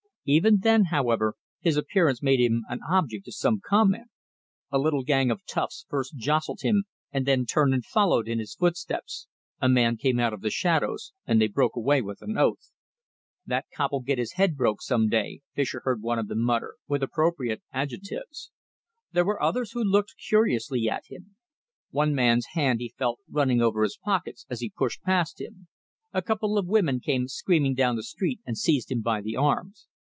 Even then, however, his appearance made him an object of some comment. A little gang of toughs first jostled him and then turned and followed in his footsteps. A man came out of the shadows, and they broke away with an oath. "That cop'll get his head broke some day," Fischer heard one of them mutter, with appropriate adjectives. There were others who looked curiously at him. One man's hand he felt running over his pockets as he pushed past him. A couple of women came screaming down the street and seized him by the arms.